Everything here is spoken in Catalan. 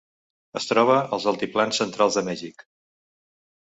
Es troba als altiplans centrals de Mèxic.